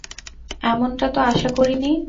এমনটা তো আশা করি নি।